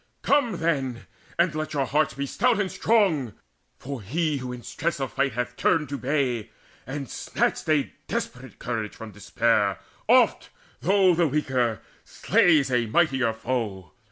Come then, and let your hearts be stout and strong For he who in stress of fight hath turned to bay And snatched a desperate courage from despair, Oft, though the weaker, slays a mightier foe.